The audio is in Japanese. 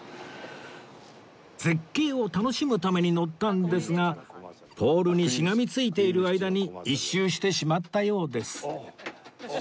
絶景を楽しむために乗ったんですがポールにしがみついている間に１周してしまったようです